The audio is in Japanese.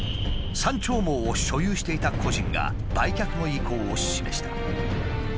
「山鳥毛」を所有していた個人が売却の意向を示した。